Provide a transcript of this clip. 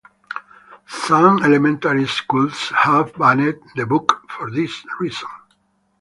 Some elementary schools have banned the book for this reason.